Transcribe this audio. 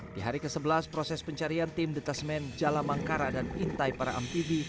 di hari ke sebelas proses pencarian tim detesmen jala mangkara dan intai para mpb